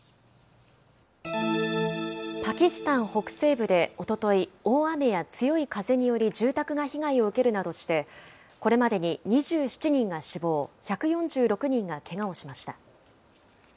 パキスタン北西部でおととい、大雨や強い風により住宅が被害を受けるなどして、これまでに２７人が死亡、１４６人がけがをしました。